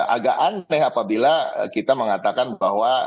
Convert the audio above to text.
agak aneh apabila kita mengatakan bahwa